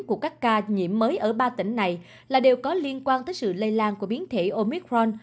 của các ca nhiễm mới ở ba tỉnh này là đều có liên quan tới sự lây lan của biến thể omicron